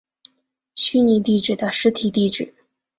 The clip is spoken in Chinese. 虚拟地址的实体地址。